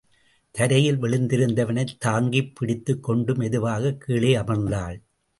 தரையில் விழுந்திருந்தவனைத் தாங்கிப் பிடித்துக் கொண்டு மெதுவாகக் கீழே அமர்ந்தாள்.